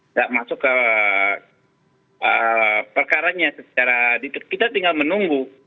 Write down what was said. tidak masuk ke perkaranya secara kita tinggal menunggu